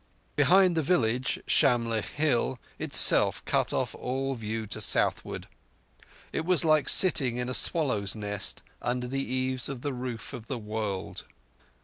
Behind the village, Shamlegh hill itself cut off all view to southward. It was like sitting in a swallow's nest under the eaves of the roof of the world.